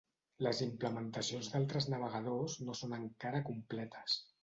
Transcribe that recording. Les implementacions d'altres navegadors no són encara completes.